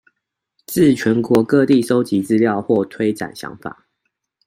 至全國各地蒐集資料或推展想法